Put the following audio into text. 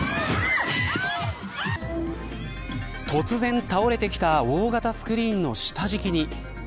突然、倒れてきた大型スクリーンの下敷きに。